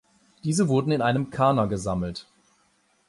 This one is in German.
Diese wurden in einem Karner gesammelt.